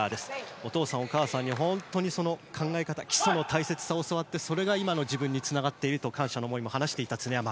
お父さん、お母さんに本当に考え方、基礎の大切さを教わってそれが今の自分につながっていると感謝の思いを語っていた常山。